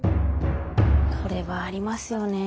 これはありますよね。